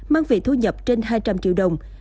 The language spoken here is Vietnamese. mang về thu nhập trên hai trăm linh triệu đồng